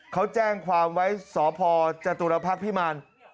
เขาแจ้งความว่าสพจตุลพรรคพิมาน